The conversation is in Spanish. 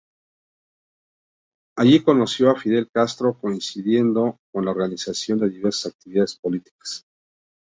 Allí conoció a Fidel Castro coincidiendo en la organización de diversas actividades políticas.